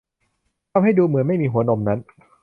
ทำให้ดูเหมือนไม่มีหัวนมนั้น